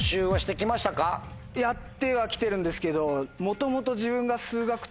やっては来てるんですけど元々。